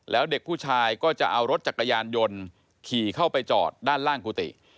แล้วเด็กผู้ชายก็จะเอารถจักรยานยนต์ขี่เข้าไปจอดด้านล่างกุฏิ